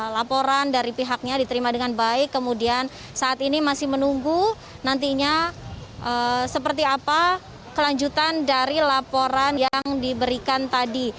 laporan dari pihaknya diterima dengan baik kemudian saat ini masih menunggu nantinya seperti apa kelanjutan dari laporan yang diberikan tadi